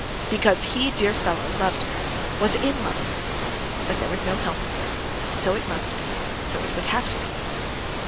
Because he, dear fellow, loved her, was in love with her. But there was no help for it, so it must be, so it would have to be.